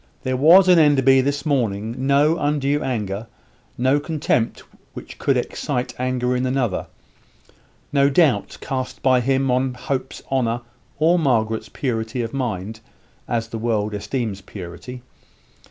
There was in Enderby this morning no undue anger, no contempt which could excite anger in another; no doubt cast by him upon Hope's honour, or Margaret's purity of mind, as the world esteems purity.